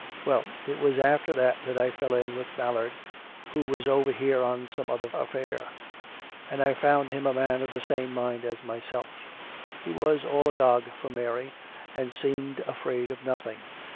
" Well : it was after that that I fell in with Ballard, who was over here on some other affair; and I found him a man of the same mind as myself; he was all agog for Mary, and seemed afraid of nothing.